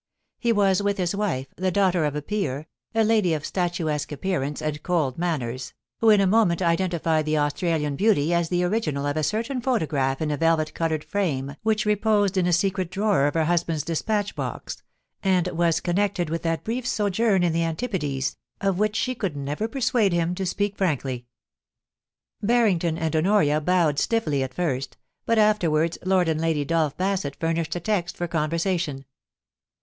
He was with his wife, the daughter of a peer, a lady of statuesque appearance and cold manners, who in a moment identified the Australian beauty as the original of a certain photograph in a velvet covered frame which reposed in a secret drawer of her hus band's despatch box, and was connected with that brief sojourn in the Antipodes, of which she could never persuade him to speak frankly. Barrington and Honoria bowed stiffly at first, but after wards Lord and Lady Dolph Basset furnished a text for conversation.